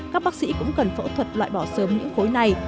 các bác sĩ cũng cần phẫu thuật loại bỏ sớm những khối này